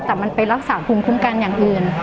แต่มันไปรักษาภูมิคุ้มกันอย่างอื่น